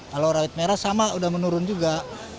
kalau rawit merah sama udah menurun juga